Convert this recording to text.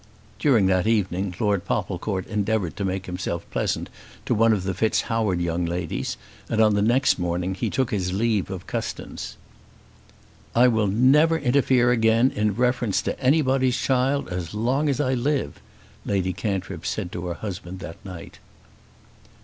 During that evening Lord Popplecourt endeavoured to make himself pleasant to one of the FitzHoward young ladies, and on the next morning he took his leave of Custins. "I will never interfere again in reference to anybody else's child as long as I live," Lady Cantrip said to her husband that night.